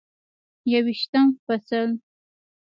یوویشتم فصل: